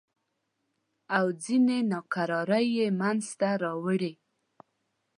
او ځینې ناکرارۍ یې منځته راوړې.